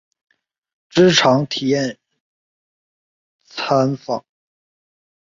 职场体验参访